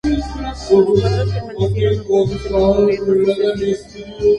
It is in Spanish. Los cuadros permanecieron ocultos con los gobiernos sucesivos.